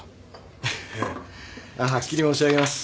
フフッはっきり申し上げます。